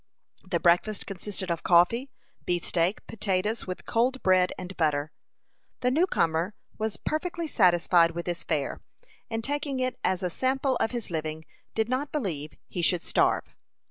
The breakfast consisted of coffee, beefsteak, potatoes, with cold bread and butter. The new comer was perfectly satisfied with this fare, and taking it as a sample of his living, he did not believe he should starve.